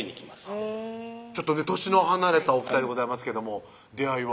へぇちょっとね歳の離れたお２人でございますけども出会いは？